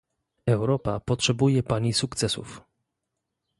Europa potrzebuje pani sukcesów